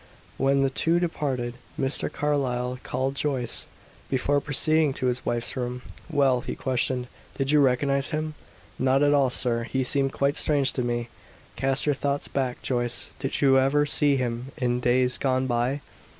When the two departed Mr. Carlyle called Joyce, before proceeding to his wife's room. "Well," he questioned, "did you recognize him?" "Not at all, sir. He seemed quite strange to me." "Cast your thoughts back, Joyce. Did you never see him in days gone by?"